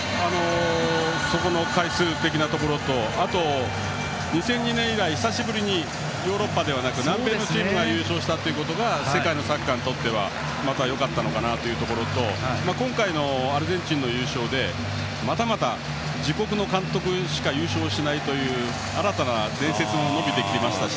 そこの回数的なところとあと２００２年以来、久しぶりにヨーロッパではなく南米のチームが優勝したことが世界のサッカーにとってよかったということと今回のアルゼンチンの優勝でまたまた自国の監督しか優勝しないという新たな伝説もできましたし。